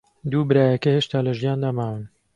دوو برایەکە هێشتا لە ژیاندا ماون.